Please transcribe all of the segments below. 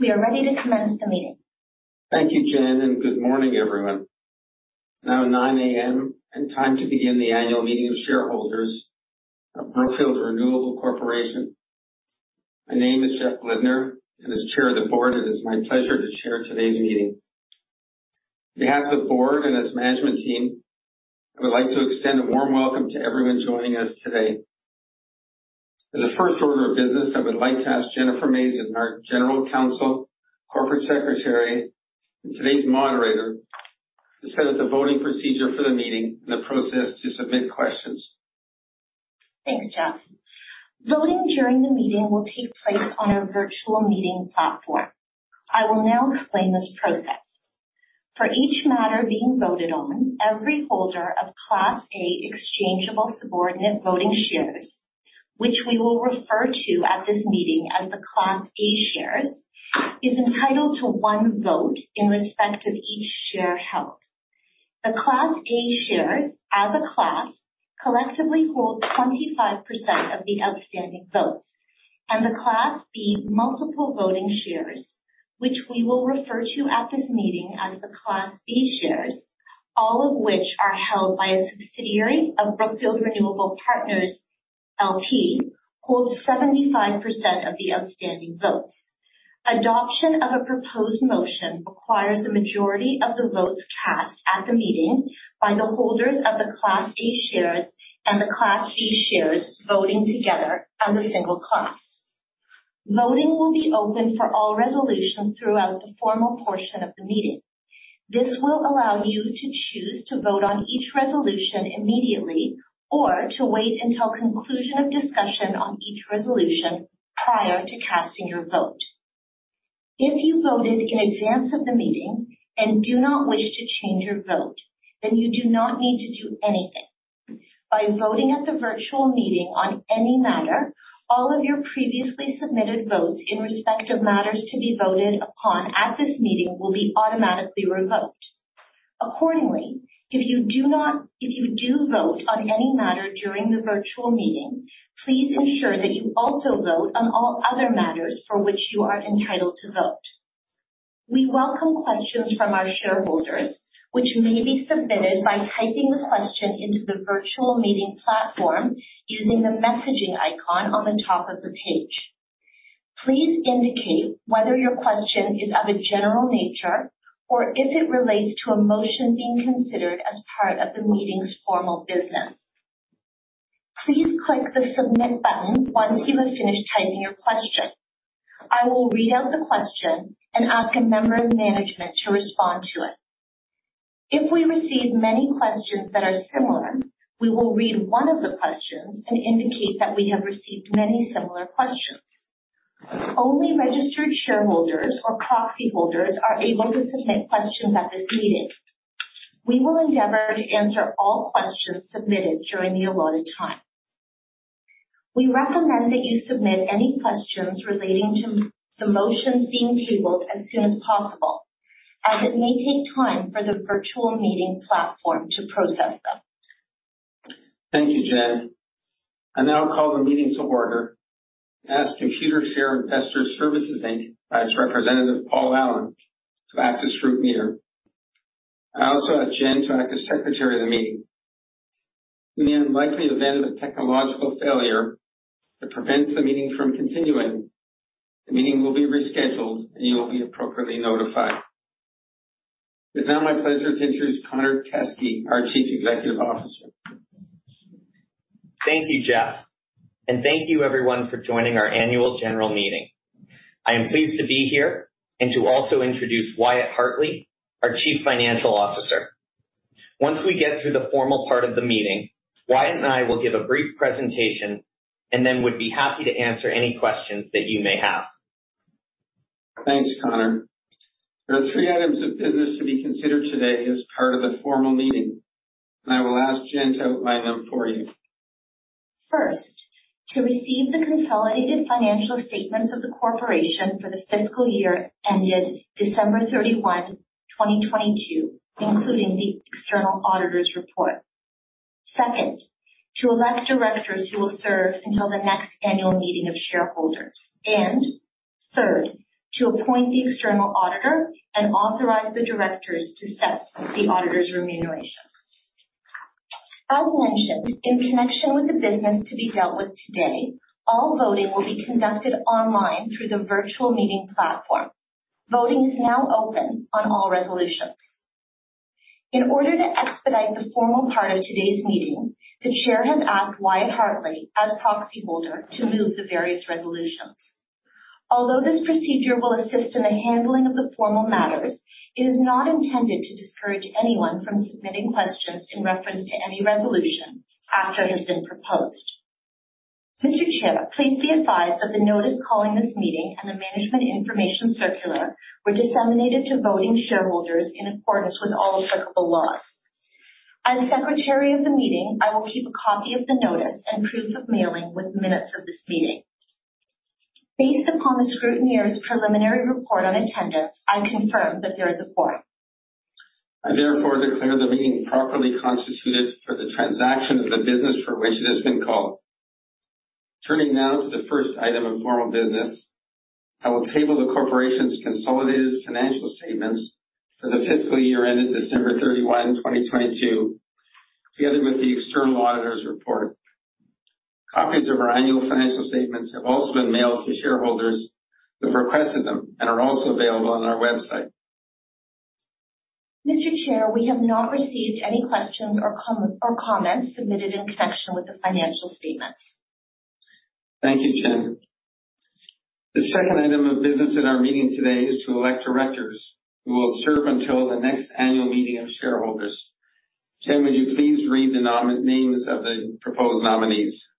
We are ready to commence the meeting. Thank you, Jennifer. Good morning, everyone. It's now 9:00 A.M. and time to begin the annual meeting of shareholders of Brookfield Renewable Corporation. My name is Jeffrey Blidner, and as Chair of the Board, it is my pleasure to chair today's meeting. On behalf of the board and its management team, I would like to extend a warm welcome to everyone joining us today. As a first order of business, I would like to ask Jennifer Mazin, our General Counsel, Corporate Secretary, and today's moderator, to set out the voting procedure for the meeting and the process to submit questions. Thanks, Jeffrey. Voting during the meeting will take place on our virtual meeting platform. I will now explain this process. For each matter being voted on, every holder of Class A exchangeable subordinate voting shares, which we will refer to at this meeting as the Class A shares, is entitled to one vote in respect of each share held. The Class A shares, as a class, collectively hold 25% of the outstanding votes, and the Class B multiple voting shares, which we will refer to at this meeting as the Class B shares, all of which are held by a subsidiary of Brookfield Renewable Partners L.P., holds 75% of the outstanding votes. Adoption of a proposed motion requires a majority of the votes cast at the meeting by the holders of the Class A shares and the Class B shares voting together as a single class. Voting will be open for all resolutions throughout the formal portion of the meeting. This will allow you to choose to vote on each resolution immediately or to wait until conclusion of discussion on each resolution prior to casting your vote. If you voted in advance of the meeting and do not wish to change your vote, then you do not need to do anything. By voting at the virtual meeting on any matter, all of your previously submitted votes in respect of matters to be voted upon at this meeting will be automatically revoked. Accordingly, if you do vote on any matter during the virtual meeting, please ensure that you also vote on all other matters for which you are entitled to vote. We welcome questions from our shareholders, which may be submitted by typing the question into the virtual meeting platform using the messaging icon on the top of the page. Please indicate whether your question is of a general nature or if it relates to a motion being considered as part of the meeting's formal business. Please click the submit button once you have finished typing your question. I will read out the question and ask a member of management to respond to it. If we receive many questions that are similar, we will read one of the questions and indicate that we have received many similar questions. Only registered shareholders or proxy holders are able to submit questions at this meeting. We will endeavor to answer all questions submitted during the allotted time. We recommend that you submit any questions relating to the motions being tabled as soon as possible, as it may take time for the virtual meeting platform to process them. Thank you, Jennifer. I now call the meeting to order, and ask Computershare Trust Company of Canada, vice representative, Paul Allen, to act as scrutineer. I also ask Jen to act as secretary of the meeting. In the unlikely event of a technological failure that prevents the meeting from continuing, the meeting will be rescheduled, and you will be appropriately notified. It's now my pleasure to introduce Connor Teskey, our Chief Executive Officer. Thank you, Jeff, and thank you, everyone, for joining our annual general meeting. I am pleased to be here and to also introduce Wyatt Hartley, our Chief Financial Officer. Once we get through the formal part of the meeting, Wyatt and I will give a brief presentation and then would be happy to answer any questions that you may have. Thanks, Connor. There are three items of business to be considered today as part of the formal meeting. I will ask Jennifer to outline them for you. First, to receive the consolidated financial statements of the corporation for the fiscal year ended December 31, 2022, including the external auditor's report. Second, to elect directors who will serve until the next annual meeting of shareholders. Third, to appoint the external auditor and authorize the directors to set the auditor's remuneration. As mentioned, in connection with the business to be dealt with today, all voting will be conducted online through the virtual meeting platform. Voting is now open on all resolutions. In order to expedite the formal part of today's meeting, the chair has asked Wyatt Hartley, as proxy holder, to move the various resolutions. Although this procedure will assist in the handling of the formal matters, it is not intended to discourage anyone from submitting questions in reference to any resolution after it has been proposed. Mr. Chair, please be advised that the notice calling this meeting and the Management Information Circular were disseminated to voting shareholders in accordance with all applicable laws. As Secretary of the meeting, I will keep a copy of the notice and proof of mailing with minutes of this meeting. Based upon the scrutineer's preliminary report on attendance, I confirm that there is a quorum. I therefore declare the meeting properly constituted for the transaction of the business for which it has been called. Turning now to the first item of formal business, I will table the corporation's consolidated financial statements for the fiscal year ended December 31 2022, together with the external auditor's report. Copies of our annual financial statements have also been mailed to shareholders who've requested them and are also available on our website. Mr. Chair, we have not received any questions or comments submitted in connection with the financial statements. Thank you, Jennifer. The second item of business in our meeting today is to elect directors who will serve until the next annual meeting of shareholders. Jen, would you please read the names of the proposed nominees?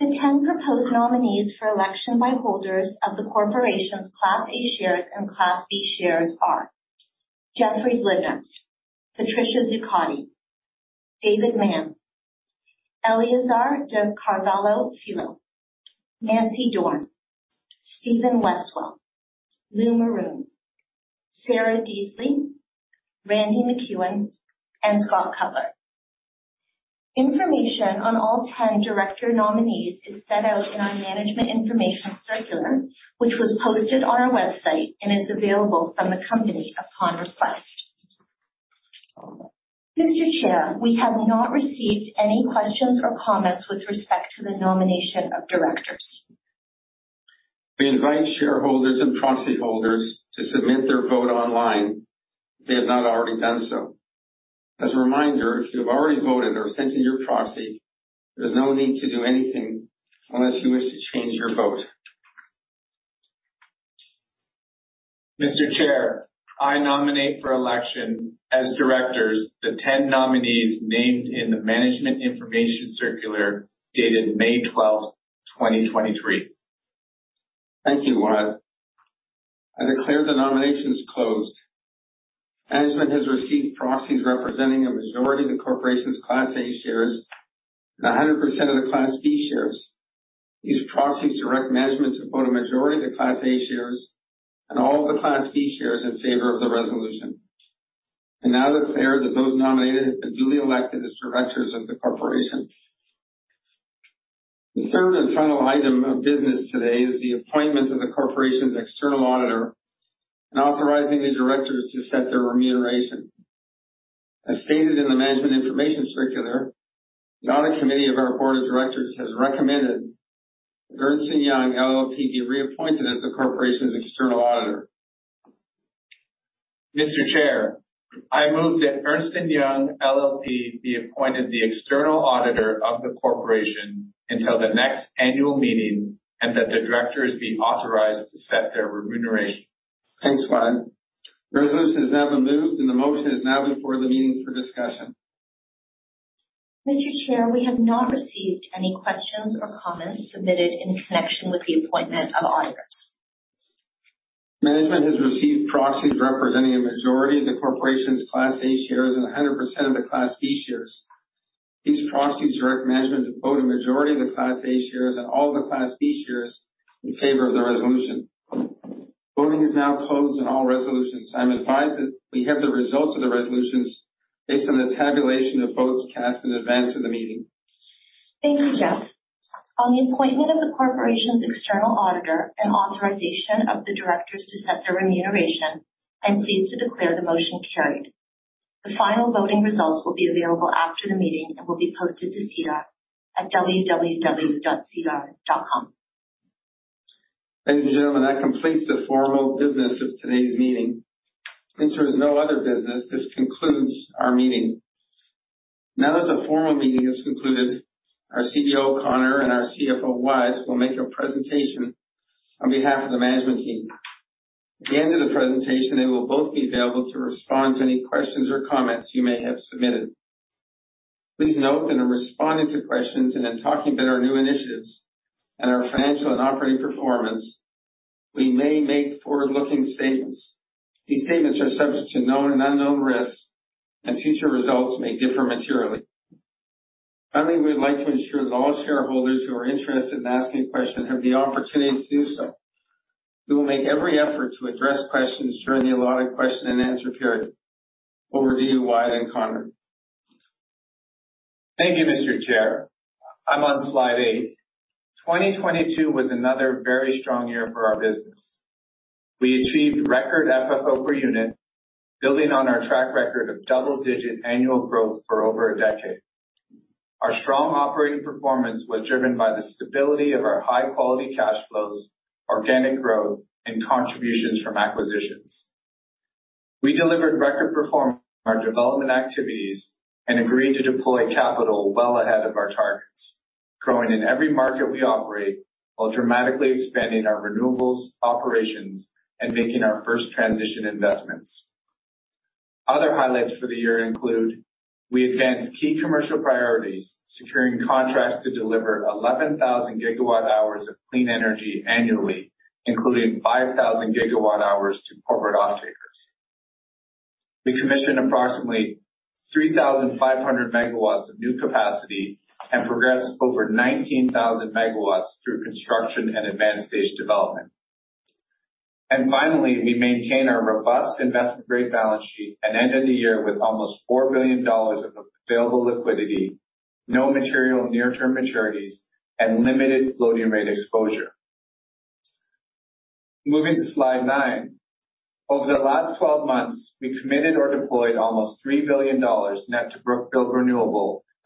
The 10 proposed nominees for election by holders of the corporation's Class A shares and Class B shares are Jeffrey Blidner, Patricia Zuccotti, David Mann, Eleazar de Carvalho Filho, Nancy Dorn, Stephen Westwell, Lou Maroun, Sarah Deasley, Randy MacEwen, and Scott Cutler. Information on all 10 director nominees is set out in our Management Information Circular, which was posted on our website and is available from the company upon request. Mr. Chair, we have not received any questions or comments with respect to the nomination of directors. We invite shareholders and proxy holders to submit their vote online if they have not already done so. As a reminder, if you've already voted or sent in your proxy, there's no need to do anything unless you wish to change your vote. Mr. Chair, I nominate for election as directors the 10 nominees named in the Management Information Circular dated May 12th, 2023. Thank you, Wyatt. I declare the nominations closed. Management has received proxies representing a majority of the corporation's Class A shares and 100% of the Class B shares. These proxies direct management to vote a majority of the Class A shares and all of the Class B shares in favor of the resolution. I now declare that those nominated have been duly elected as directors of the corporation. The third and final item of business today is the appointment of the corporation's external auditor and authorizing the directors to set their remuneration. As stated in the Management Information Circular, the audit committee of our board of directors has recommended that Ernst & Young LLP, be reappointed as the corporation's external auditor. Mr. Chair, I move that Ernst & Young LLP, be appointed the external auditor of the corporation until the next annual meeting, and that the directors be authorized to set their remuneration. Thanks, Wyatt. Resolution has now been moved, and the motion is now before the meeting for discussion. Mr. Chair, we have not received any questions or comments submitted in connection with the appointment of auditors. Management has received proxies representing a majority of the corporation's Class A shares and 100% of the Class B shares. These proxies direct management to vote a majority of the Class A shares and all the Class B shares in favor of the resolution. Voting is now closed on all resolutions. I'm advised that we have the results of the resolutions based on the tabulation of votes cast in advance of the meeting. Thank you, Jeffrey. On the appointment of the corporation's external auditor and authorization of the directors to set their remuneration, I'm pleased to declare the motion carried. The final voting results will be available after the meeting and will be posted to SEDAR at www.sedar.com. Ladies and gentlemen, that completes the formal business of today's meeting. Since there is no other business, this concludes our meeting. Now that the formal meeting has concluded, our CEO, Connor, and our CFO, Wyatt, will make a presentation on behalf of the management team. At the end of the presentation, they will both be available to respond to any questions or comments you may have submitted. Please note that in responding to questions and in talking about our new initiatives and our financial and operating performance, we may make forward-looking statements. These statements are subject to known and unknown risks, and future results may differ materially. Finally, we'd like to ensure that all shareholders who are interested in asking a question have the opportunity to do so. We will make every effort to address questions during the allotted question and answer period. Over to you, Wyatt and Connor. Thank you, Mr. Chair. I'm on slide eight. 2022 was another very strong year for our business. We achieved record FFO per Unit, building on our track record of double-digit annual growth for over a decade. Our strong operating performance was driven by the stability of our high-quality cash flows, organic growth, and contributions from acquisitions. We delivered record performance in our development activities and agreed to deploy capital well ahead of our targets, growing in every market we operate, while dramatically expanding our renewables, operations, and making our first transition investments. Other highlights for the year include: we advanced key commercial priorities, securing contracts to deliver 11,000 GWh of clean energy annually, including 5,000 GWh to corporate off-takers. We commissioned approximately 3,500 MW of new capacity and progressed over 19,000 MW through construction and advanced stage development. Finally, we maintain our robust investment-grade balance sheet and ended the year with almost $4 billion of available liquidity, no material near-term maturities, and limited floating rate exposure. Moving to slide nine. Over the last 12 months, we committed or deployed almost $3 billion net to Brookfield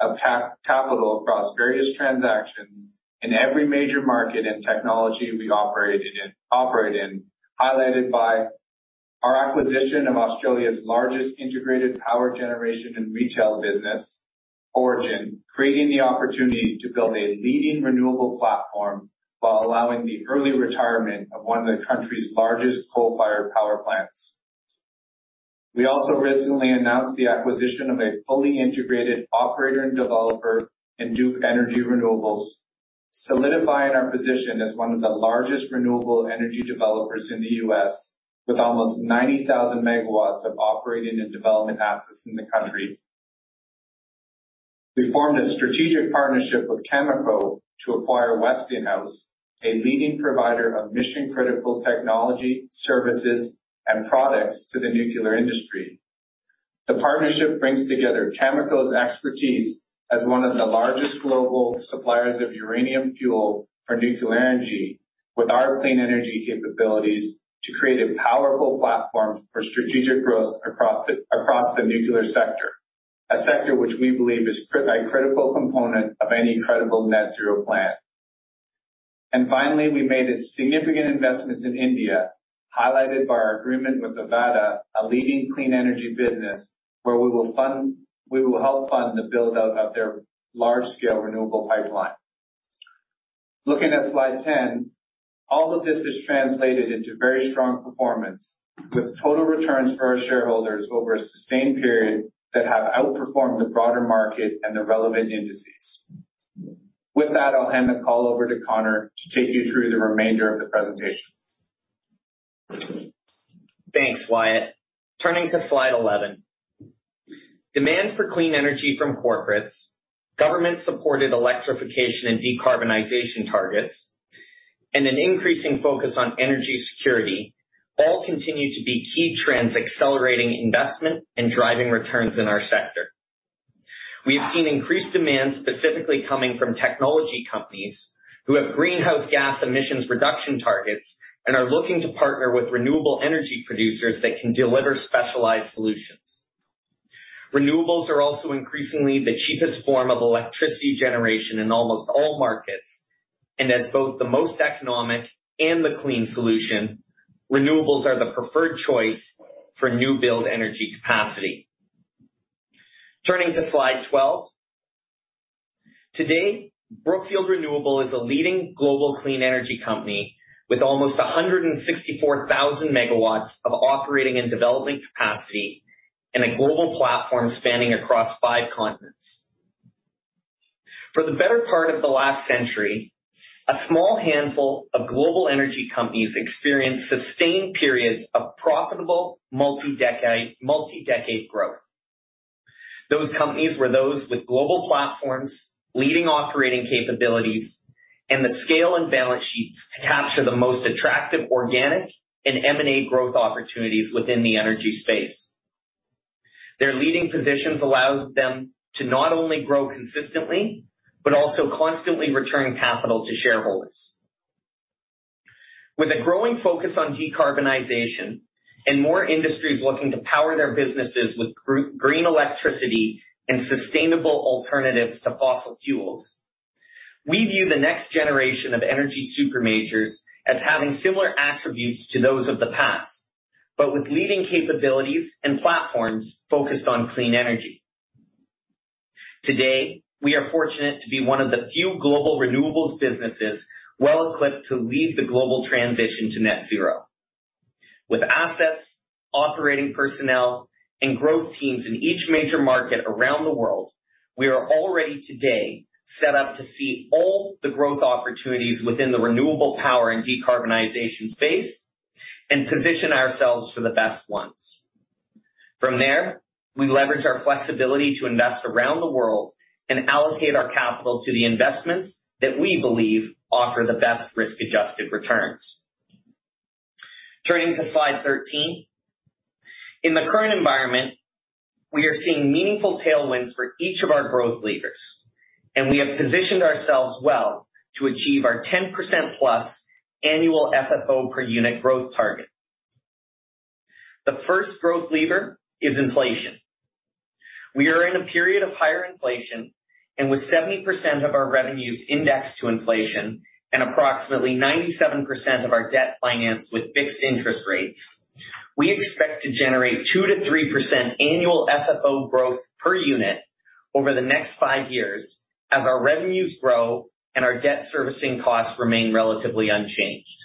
Renewable of capital across various transactions in every major market and technology we operate in, highlighted by our acquisition of Australia's largest integrated power generation and retail business, Origin, creating the opportunity to build a leading renewable platform while allowing the early retirement of one of the country's largest coal-fired power plants. We also recently announced the acquisition of a fully integrated operator and developer in Duke Energy Renewables, solidifying our position as one of the largest renewable energy developers in the U.S., with almost 90,000 megawatts of operating and development assets in the country. We formed a strategic partnership with Cameco to acquire Westinghouse, a leading provider of mission-critical technology, services, and products to the nuclear industry. The partnership brings together Cameco's expertise as one of the largest global suppliers of uranium fuel for nuclear energy, with our clean energy capabilities, to create a powerful platform for strategic growth across the nuclear sector, a sector which we believe is a critical component of any credible net zero plan. Finally, we made a significant investments in India, highlighted by our agreement with Invenergy, a leading clean energy business, where we will help fund the build-out of their large-scale renewable pipeline. Looking at slide 10. All of this has translated into very strong performance, with total returns for our shareholders over a sustained period that have outperformed the broader market and the relevant indices. With that, I'll hand the call over to Connor to take you through the remainder of the presentation. Thanks, Wyatt. Turning to slide 11. Demand for clean energy from corporates, government-supported electrification and decarbonization targets, and an increasing focus on energy security, all continue to be key trends, accelerating investment and driving returns in our sector. We have seen increased demand, specifically coming from technology companies who have greenhouse gas emissions reduction targets and are looking to partner with renewable energy producers that can deliver specialized solutions. Renewables are also increasingly the cheapest form of electricity generation in almost all markets, and as both the most economic and the clean solution, renewables are the preferred choice for new build energy capacity. Turning to slide 12. Today, Brookfield Renewable is a leading global clean energy company with almost 164,000 MW of operating and development capacity and a global platform spanning across five continents. For the better part of the last century, a small handful of global energy companies experienced sustained periods of profitable multi-decade growth. Those companies were those with global platforms, leading operating capabilities, and the scale and balance sheets to capture the most attractive organic and M&A growth opportunities within the energy space. Their leading positions allows them to not only grow consistently, but also constantly return capital to shareholders. With a growing focus on decarbonization and more industries looking to power their businesses with green electricity and sustainable alternatives to fossil fuels, we view the next generation of energy super majors as having similar attributes to those of the past, but with leading capabilities and platforms focused on clean energy. Today, we are fortunate to be one of the few global renewables businesses well-equipped to lead the global transition to net zero. With assets, operating personnel, and growth teams in each major market around the world, we are already today set up to see all the growth opportunities within the renewable power and decarbonization space and position ourselves for the best ones. We leverage our flexibility to invest around the world and allocate our capital to the investments that we believe offer the best risk-adjusted returns. Turning to slide 13. In the current environment, we are seeing meaningful tailwinds for each of our growth leaders, and we have positioned ourselves well to achieve our 10%+ annual FFO per Unit growth target. The first growth lever is inflation. We are in a period of higher inflation. With 70% of our revenues indexed to inflation and approximately 97% of our debt financed with fixed interest rates, we expect to generate 2%-3% annual FFO growth per unit over the next five years as our revenues grow and our debt-servicing costs remain relatively unchanged.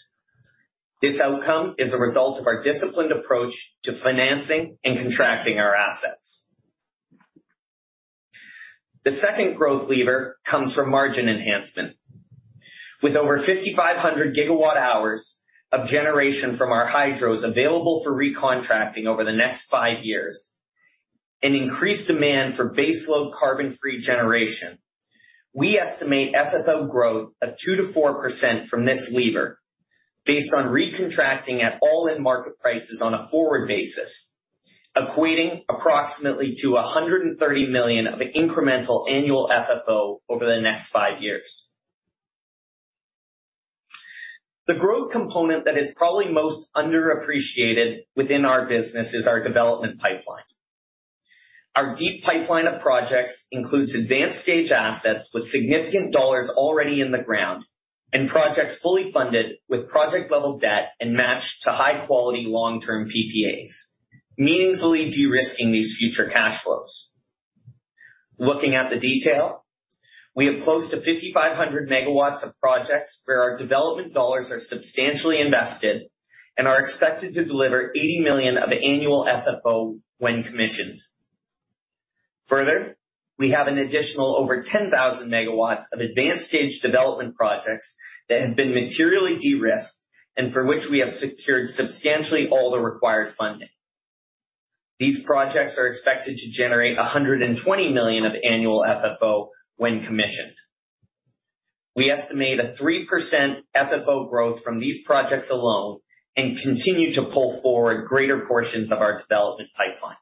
This outcome is a result of our disciplined approach to financing and contracting our assets. The second growth lever comes from margin enhancement. With over 5,500 gigawatt hours of generation from our hydros available for recontracting over the next five years and increased demand for baseload carbon-free generation. We estimate FFO growth of 2%-4% from this lever, based on recontracting at all-in market prices on a forward basis, equating approximately to $130 million of incremental annual FFO over the next five years. The growth component that is probably most underappreciated within our business is our development pipeline. Our deep pipeline of projects includes advanced stage assets with significant dollars already in the ground, and projects fully funded with project-level debt and matched to high-quality long-term PPAs, meaningfully de-risking these future cash flows. Looking at the detail, we have close to 5,500 megawatts of projects where our development dollars are substantially invested and are expected to deliver $80 million of annual FFO when commissioned. We have an additional over 10,000 megawatts of advanced stage development projects that have been materially de-risked and for which we have secured substantially all the required funding. These projects are expected to generate $120 million of annual FFO when commissioned. We estimate a 3% FFO growth from these projects alone and continue to pull forward greater portions of our development pipeline.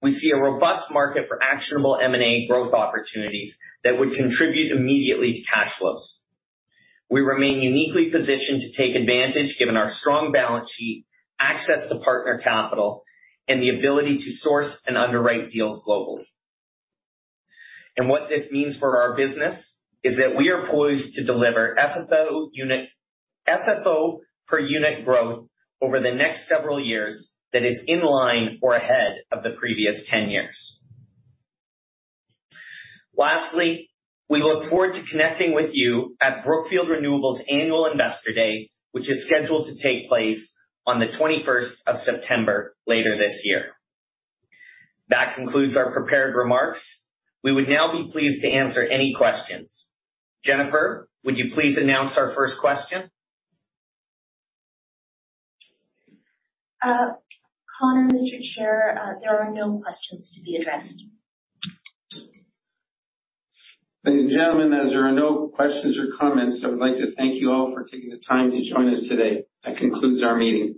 We see a robust market for actionable M&A growth opportunities that would contribute immediately to cash flows. We remain uniquely positioned to take advantage, given our strong balance sheet, access to partner capital, and the ability to source and underwrite deals globally. What this means for our business, is that we are poised to deliver FFO per Unit growth over the next several years that is in line or ahead of the previous 10 years. We look forward to connecting with you at Brookfield Renewable Investor Day, which is scheduled to take place on the 21st of September later this year. That concludes our prepared remarks. We would now be pleased to answer any questions. Jennifer, would you please announce our first question? Connor, Mr. Chair, there are no questions to be addressed. Ladies and gentlemen, as there are no questions or comments, I would like to thank you all for taking the time to join us today. That concludes our meeting.